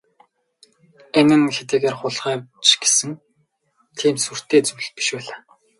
Энэ нь хэдийгээр хулгай ч гэсэн тийм сүртэй зүйл биш байлаа.